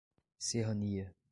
Serrania